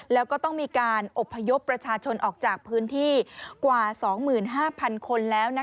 แล้วก็ต้องมีการอบพยพประชาชนออกจากพื้นที่กว่า๒๕๐๐๐คนแล้ว